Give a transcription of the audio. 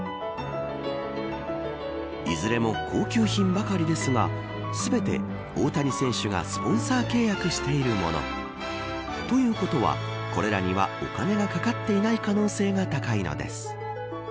いずれも高級品ばかりですが全て、大谷選手がスポンサー契約しているもの。ということは、これらにはお金がかかっていない可能性が高いのです。